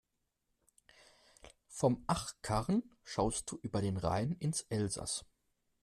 Vom Achkarren schaust du über den Rhein ins Elsaß.